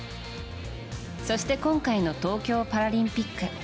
そして今回の東京パラリンピック。